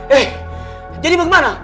eh jadi bagaimana